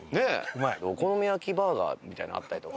お好み焼きバーガーみたいなのあったりとか。